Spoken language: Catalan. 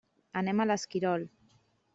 Anem a l'Esquirol.